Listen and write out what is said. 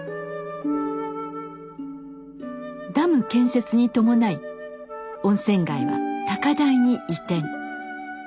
ダム建設に伴い温泉街は高台に移転。